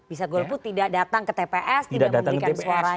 bisa golput tidak datang ke tps tidak memberikan suaranya